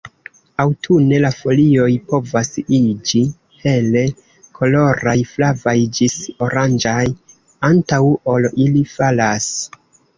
Aŭtune la folioj povas iĝi hele koloraj, flavaj ĝis oranĝaj, antaŭ ol ili falas.